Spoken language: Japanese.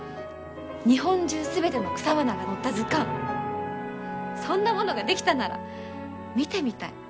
日本中全ての草花が載った図鑑そんなものが出来たなら見てみたい。